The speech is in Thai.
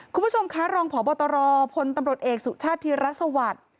คุณผู้ชมคะรองพบตรพลตำรวจเอกสุชาติธิรัฐสวัสดิ์